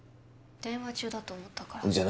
電話中だと思ったからじゃ